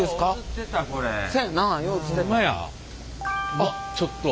あっちょっと。